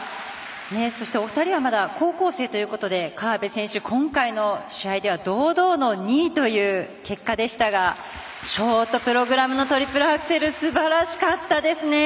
そして、お二人はまだ高校生ということで河辺選手、今回の試合では堂々の２位という結果でしたがショートプログラムのトリプルアクセルすばらしかったですね！